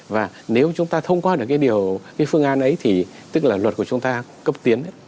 và nếu chúng ta thông qua được cái điều cái phương án ấy thì tức là luật của chúng ta cấp tiến